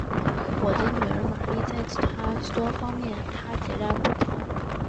我的女儿玛丽在许多方面与她则截然不同。